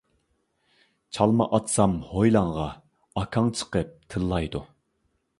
چالما ئاتسام ھويلاڭغا، ئاكاڭ چىقىپ تىللايدۇ.